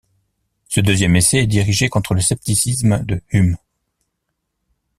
Ce deuxième essai est dirigé contre le scepticisme de Hume.